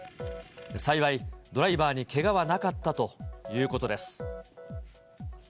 幸い、ドライバーにけがはなかったということです。